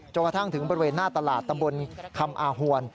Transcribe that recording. กระทั่งถึงบริเวณหน้าตลาดตำบลคำอาหวน